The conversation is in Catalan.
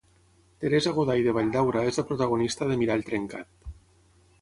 Teresa Goday de Valldaura és la protagonista de "Mirall trencat ".